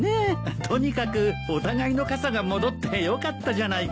とにかくお互いの傘が戻ってよかったじゃないか。